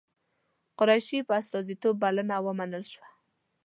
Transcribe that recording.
قریشي په استازیتوب بلنه ومنل شوه.